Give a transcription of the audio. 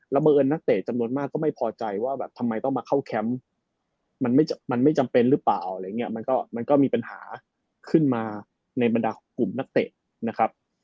เมิดนักเตะจำนวนมากก็ไม่พอใจว่าแบบทำไมต้องมาเข้าแคมป์มันไม่จำเป็นหรือเปล่าอะไรอย่างนี้มันก็มันก็มีปัญหาขึ้นมาในบรรดาของกลุ่มนักเตะนะครับ